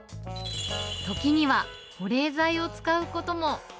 時には保冷剤を使うことも。